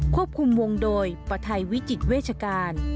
ควบคุมวงโดยปฐัยวิจิตเวชการ